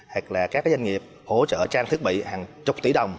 hoặc là các doanh nghiệp hỗ trợ trang thiết bị hàng chục tỷ đồng